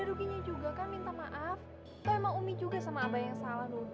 tuh emang umi juga sama abang yang salah nuduh